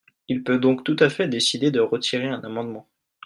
Il peut donc tout à fait décider de retirer un amendement.